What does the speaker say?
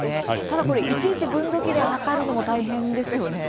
ただ、これ、いちいち分度器で測るのも大変ですよね。